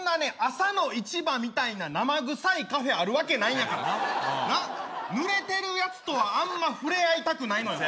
朝の市場みたいな生臭いカフェあるわけないんやからなぬれてるやつとはあんま触れあいたくないのよ